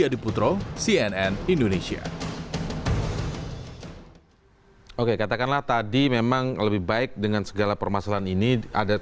adiputro cnn indonesia oke katakanlah tadi memang lebih baik dengan segala permasalahan ini ada